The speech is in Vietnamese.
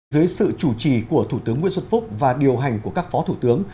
dưới sự chủ trì của thủ tướng nguyễn xuân phúc và điều hành của các phó thủ tướng